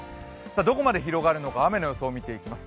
どこまで広がるのか雨の予想を見ていきます。